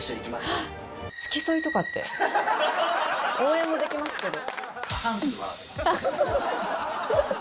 応援もできますけど。